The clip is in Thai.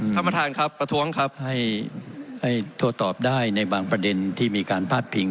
ท่านประธานครับประท้วงครับให้โทรตอบได้ในบางประเด็นที่มีการพาดพิง